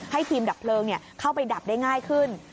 ให้ทีมดับเพลิงเข้าไปดับได้ง่ายขึ้น